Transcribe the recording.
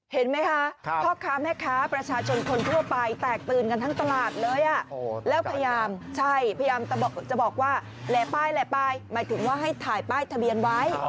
เห็นไหมคะพ่อค้าแม่ค้าประชาชนคนทั่วไปแตกตื่นกันทั้งตลาดเลยแล้วพยายามใช่พยายามจะบอกว่าแหล่ป้ายแหล่ป้ายหมายถึงว่าให้ถ่ายป้ายทะเบียนไว้